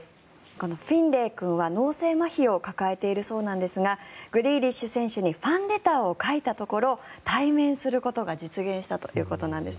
このフィンレイ君は脳性まひを抱えているそうなんですがグリーリッシュ選手にファンレターを書いたところ対面することが実現したということなんです。